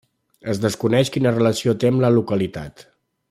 Es desconeix quina relació té amb la localitat.